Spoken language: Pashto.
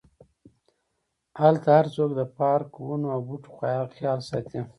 هلته هرڅوک د پارک، ونو او بوټو خیال ساتي.